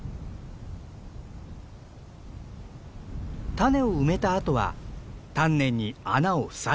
種を埋めたあとは丹念に穴を塞いでいきます。